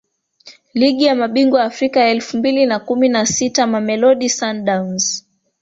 Ligi ya Mabingwa Afrika elfu mbili na kumi na sita Mamelodi Sundowns